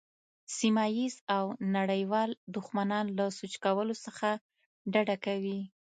سیمه ییز او نړیوال دښمنان له سوچ کولو څخه ډډه کوي.